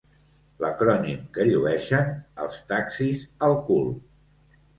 L'acrònim que llueixen els taxis al cul.